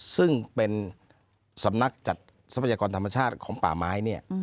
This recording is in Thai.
ซึ่งเป็นสำนักจัดทรัพยากรธรรมชาติของป่าไม้เนี่ย